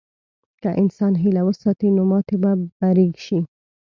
که انسان هیله وساتي، نو ماتې به بری شي.